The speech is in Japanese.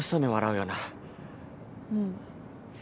うん。